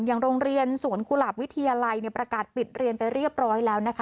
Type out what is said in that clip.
อย่างโรงเรียนสวนกุหลาบวิทยาลัยประกาศปิดเรียนไปเรียบร้อยแล้วนะคะ